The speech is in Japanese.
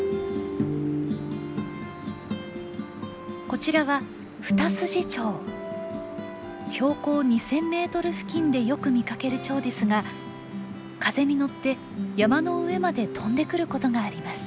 こちらは標高２，０００メートル付近でよく見かけるチョウですが風に乗って山の上まで飛んでくることがあります。